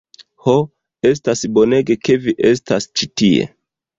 "Ho, estas bonege ke vi estas ĉi tie.